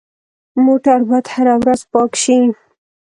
موټر باید هره ورځ پاک شي.